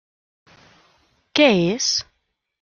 Què és?